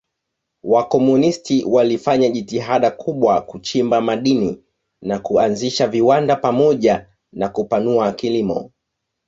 Wakomunisti walifanya jitihada kubwa kuchimba madini na kuanzisha viwanda pamoja na kupanua kilimo.